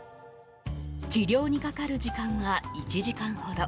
治療にかかる時間は１時間ほど。